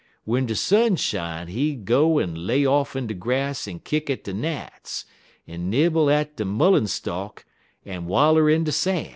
W'en de sun shine he'd go en lay off in de grass en kick at de gnats, en nibble at de mullen stalk en waller in de san'.